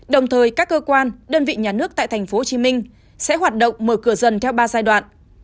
đồng thời các cơ quan đơn vị nhà nước tại tp hcm sẽ hoạt động mở cửa dần theo ba giai đoạn